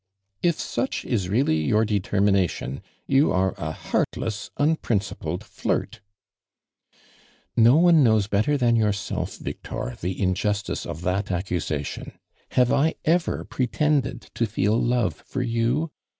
' "If such is really your determination, you are a heartless, unprincipled flirt." "No one knows better than yourself, Victor, the injustice of that accusation. Have I ever pretended to feel love for you?